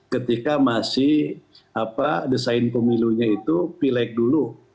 ketika masih desain pemilunya itu pilek dulu